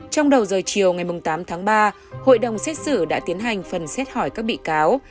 trong đầu giờ chiều ngày tám tháng ba hội đồng xét xử đã tiến hành phần xét hỏi các bị cáo